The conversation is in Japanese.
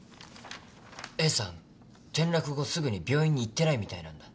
Ａさん転落後すぐに病院に行ってないみたいなんだ。